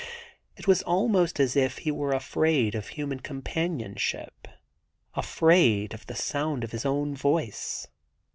It was almost as if he were afraid of human companionship, afraid of the sound of his own voice.